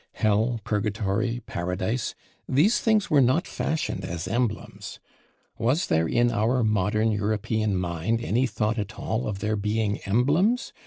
Hell, Purgatory, Paradise: these things were not fashioned as emblems: was there in our Modern European Mind, any thought at all of their being emblems?